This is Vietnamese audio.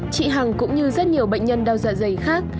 chị hằng cũng như rất nhiều bệnh nhân đau dạ dày khác